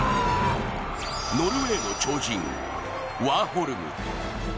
ノルウェーの超人・ワーホルム。